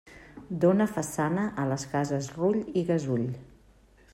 Dóna façana a les cases Rull i Gasull.